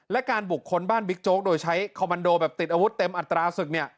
และการบุคคลบ้านบิ๊กโจ๊กโดยใช้คอมมันโดแบบติดอาวุธเต็มอัตราศึกเนี่ย